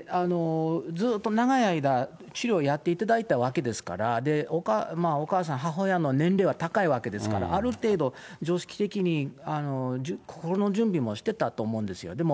ずっと長い間、治療をやっていただいたわけですから、お母さん、母親の年齢は高いわけですから、ある程度、常識的に心の準備もしてたと思うんですよ。